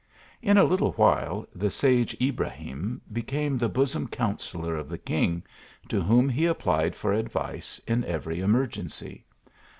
In a little while tiae sage Ibrahim became the bosom counsellor of the king, to whom he applied for advice m every emergency.